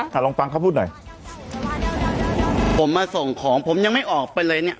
ลองฟังเขาพูดหน่อยผมมาส่งของผมยังไม่ออกไปเลยเนี้ย